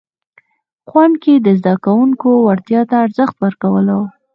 ښوونکي د زده کوونکو وړتیا ته ارزښت ورکولو.